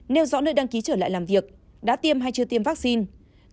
nêu rõ nơi đăng ký trở lại làm việc đã tiêm hay chưa tiêm vaccine